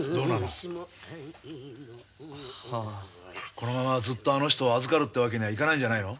このままずっとあの人を預かるってわけにはいかないんじゃないの？